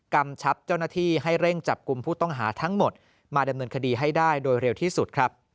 กำชับเจ้าหน้าที่ให้เร่งจับกลุ่มผู้ต้องหาทั้งหมดมาดำเนินคดีให้ได้โดยเร็วที่สุดครับ